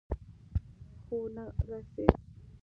خو ونه رسېد.